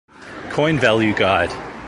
Coin Value Guide.